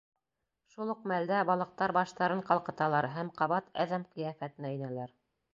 Шул уҡ мәлдә балыҡтар баштарын ҡалҡыталар һәм ҡабат әҙәм ҡиәфәтенә инәләр.